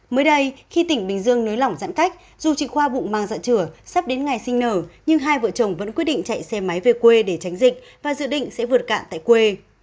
mới đây khi tỉnh bình dương nới lỏng giãn cách dù chị khoa bụng mang giận trở sắp đến ngày sinh nở nhưng hai vợ chồng vẫn quyết định chạy xe máy về quê để tránh dịch và dự định sẽ vượt cạn tại quê